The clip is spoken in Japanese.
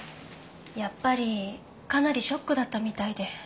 やっぱりかなりショックだったみたいで。